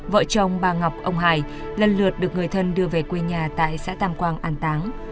vợ chồng bà ngọc ông hải lần lượt được người thân đưa về quê nhà tại xã tam quang an táng